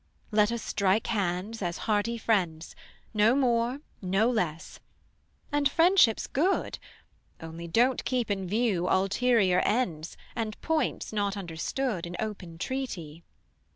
Let us strike hands as hearty friends; No more, no less: and friendship's good: Only don't keep in view ulterior ends, And points not understood In open treaty.